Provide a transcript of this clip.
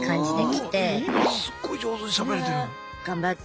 今すっごい上手にしゃべれてる。